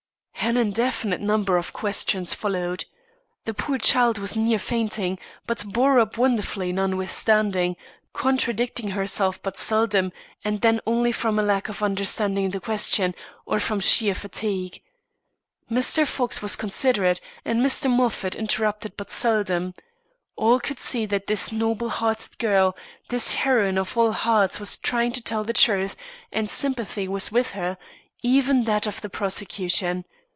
An infinite number of questions followed. The poor child was near fainting, but bore up wonderfully notwithstanding, contradicting herself but seldom; and then only from lack of understanding the question, or from sheer fatigue. Mr. Fox was considerate, and Mr. Moffat interrupted but seldom. All could see that this noble hearted girl, this heroine of all hearts was trying to tell the truth, and sympathy was with her, even that of the prosecution.